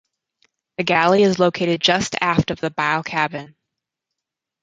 The galley is located just aft of the bow cabin.